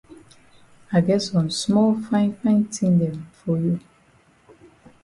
I get some small fine fine tin dem for you.